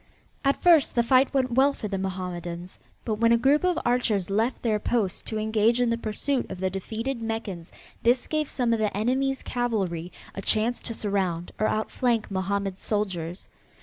At first the fight went well for the Mohammedans, but when a group of archers left their post to engage in the pursuit of the defeated Meccans this gave some of the enemy's cavalry a chance to surround or outflank Mohammed's soldiers.